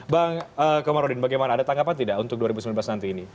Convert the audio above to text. bang komarudin bagaimana ada tanggapan tidak untuk dua ribu sembilan belas nanti ini